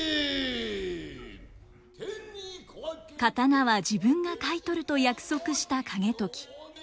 刀は自分が買い取ると約束した景時。